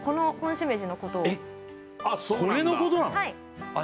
これのことなの？